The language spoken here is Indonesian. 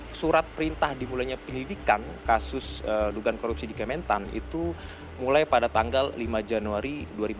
karena surat perintah dimulainya penyelidikan kasus dugaan korupsi di kementan itu mulai pada tanggal lima januari dua ribu dua puluh